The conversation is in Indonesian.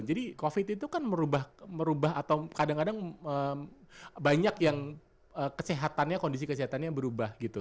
jadi covid itu kan merubah atau kadang kadang banyak yang kesehatannya kondisi kesehatannya berubah gitu